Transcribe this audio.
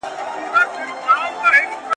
په ښرا لکه کونډیاني هر ماخستن یو !.